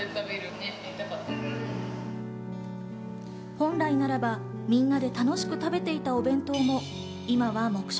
本来ならば、みんなで楽しく食べていたお弁当も今は黙食。